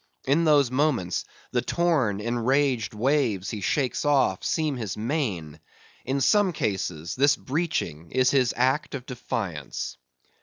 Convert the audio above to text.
In those moments, the torn, enraged waves he shakes off, seem his mane; in some cases, this breaching is his act of defiance.